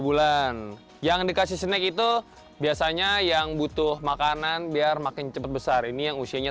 bulan yang dikasih snack itu biasanya yang butuh makanan biar makin cepat besar ini yang usianya